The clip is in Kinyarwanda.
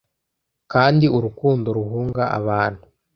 kandi urukundo ruhunga abantu